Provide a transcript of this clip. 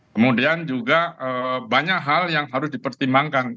kemudian juga banyak hal yang harus dipertimbangkan